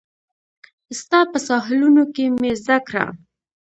ستا په ساحلونو کې مې زده کړه